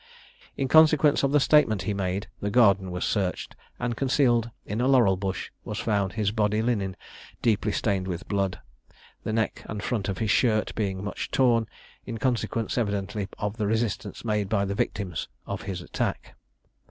In consequence of the statement he made the garden was searched, and concealed in a laurel bush was found his body linen deeply stained with blood, the neck and front of his shirt being much torn, in consequence, evidently, of the resistance made by the victims to his attack.